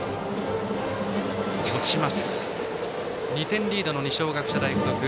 ２点リードの二松学舎大付属